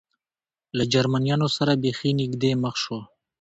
له جرمنیانو سره بېخي نږدې مخ شو.